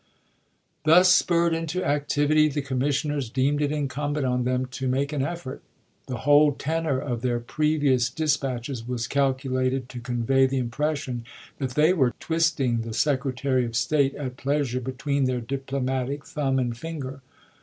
ms. Thus spurred into activity, the commissioners deemed it incumbent on them to make an effort. The whole tenor of their previous dispatches was calculated to convey the impression that they were twisting the Secretary of State at pleasure between their diplomatic thumb and finger.